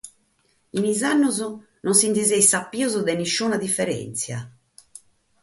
In is annos non bos seis sapidos de nissuna diferèntzia?